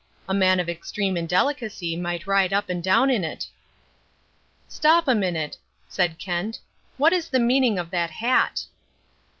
A man of extreme indelicacy might ride up and down in it." "Stop a minute," said Kent. "What is the meaning of that hat?"